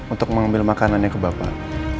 untuk mengambil makanannya ke bapak